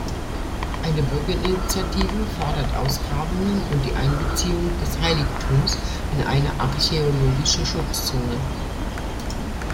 Eine Bürgerinitiative fordert Ausgrabungen und die Einbeziehung des Heiligtums in eine archäologische Schutzzone.